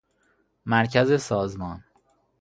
مرکز سازمان